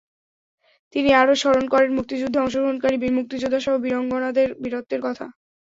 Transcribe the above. তিনি আরও স্মরণ করেন মুক্তিযুদ্ধে অংশগ্রহণকারী বীর মুক্তিযোদ্ধাসহ বীরাঙ্গনাদের বীরত্বের কথা।